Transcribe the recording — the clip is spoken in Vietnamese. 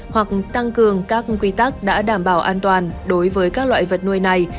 hoặc tăng cường các quy tắc đã đảm bảo an toàn đối với các loại vật nuôi này